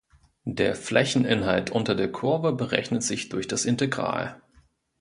Der Flächeninhalt unter der Kurve berechnet sich durch das Integral.